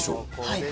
はい。